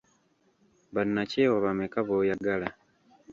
Bannakyewa bameka b'oyagala?